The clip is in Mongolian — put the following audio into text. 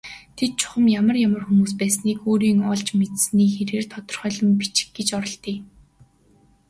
Тэд чухам ямар ямар хүмүүс байсныг өөрийн олж мэдсэний хэрээр тодорхойлон бичих гэж оролдъё.